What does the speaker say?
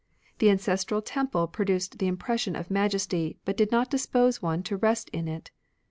The ancestral temple produced the impression of majesty, but did not dispose one to rest in it.